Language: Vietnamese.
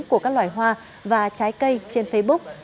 của các loài hoa và trái cây trên facebook